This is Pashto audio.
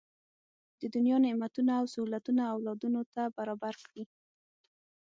د دنیا نعمتونه او سهولتونه اولادونو ته برابر کړي.